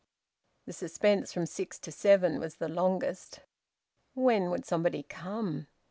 The suspense from six to seven was the longest. When would somebody come?